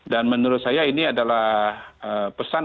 dan menurut saya ini adalah pesan